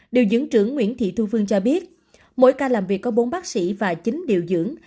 điều dưỡng trưởng nguyễn thị thu phương cho biết mỗi ca làm việc có bốn bác sĩ và chín điều dưỡng